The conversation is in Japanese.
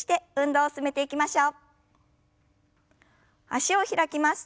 脚を開きます。